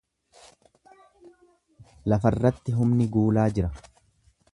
Lafarratti humni guulaa jira.